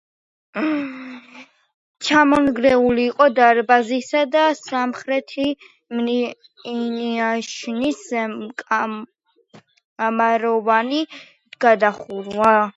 ჩამონგრეული იყო დარბაზისა და სამხრეთი მინაშენის კამაროვანი გადახურვა.